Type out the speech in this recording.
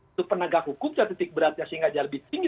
untuk penegak hukum ya titik beratnya sehingga jarak lebih tinggi